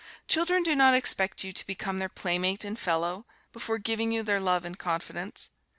Children do not expect you to become their playmate and fellow, before giving you their love and confidence.